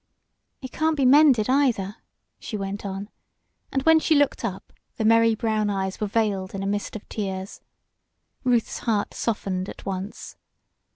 "It can't be mended, either," she went on, and when she looked up the merry brown eyes were veiled in a mist of tears. Ruth's heart softened at once.